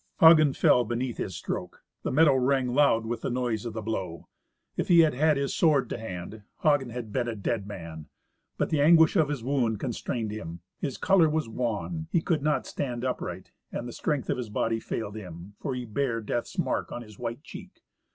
Hagen fell beneath his stroke. The meadow rang loud with the noise of the blow. If he had had his sword to hand, Hagen had been a dead man. But the anguish of his wound constrained him. His colour was wan; he could not stand upright; and the strength of his body failed him, for he bare death's mark on his white cheek.